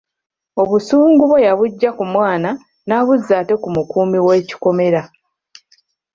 Obusungu bwe yabuggya ku mwana n'abuzza ate ku mukuumi w'ekikomera.